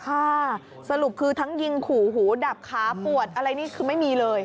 ค่ะสรุปคือทั้งยิงขู่หูดับขาปวดอะไรนี่คือไม่มีเลย